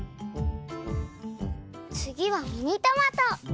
つぎはミニトマト！